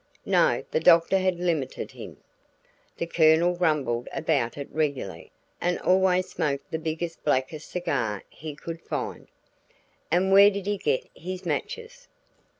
"No, the doctor had limited him. The Colonel grumbled about it regularly, and always smoked the biggest blackest cigar he could find." "And where did he get his matches?"